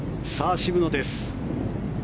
渋野です。